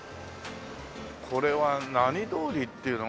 これは何通りっていうの？